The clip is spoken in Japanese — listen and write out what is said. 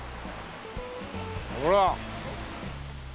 ほら。